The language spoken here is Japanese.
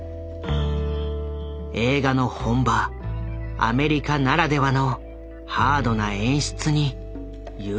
映画の本場アメリカならではのハードな演出に優作は。